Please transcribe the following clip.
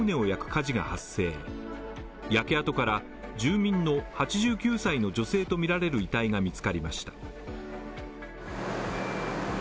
焼け跡から住民の８９歳の女性とみられる遺体が見つかりました。